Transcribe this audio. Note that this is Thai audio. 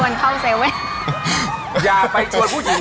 นู้น